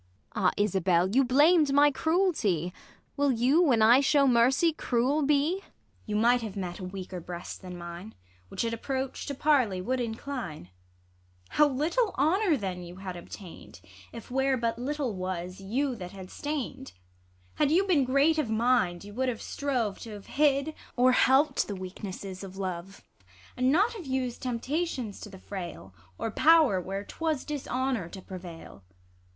Ang. Ah, Isabell ! you blam'd my cruelty ! Will you, Avhen I sheAV mercy, cruel be 1 IsAB. You might have met a Aveaker breast than mine, Which at approach to parlej'' Avould incline : HoAV little honour then you had obtain'd, 190 THE LAW AGAINST LOVERS. If, where but little was, you that had stain'd ! Had you been great of mind, you would have strove T' have hid, or helpt the weaknesses of love, And not have used temptations to the frail, Or pow'r, where 'twas dishonour to prevail.